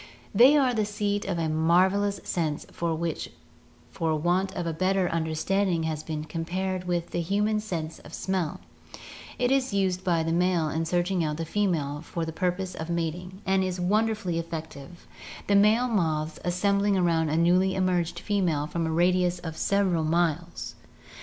They are the seat of a mar velous sense which for want of a better under standing has been compared with the human sense of smell. It is used by the male in searching out the female for the purpose of mat ing, and is won m i^^H d e r f u 1 1 y effec 3 gk g^% *"*>* n e m*k B & ^Ji moths assembling ^^ K> v\ around a newly emerged female from a radius of vera) miles.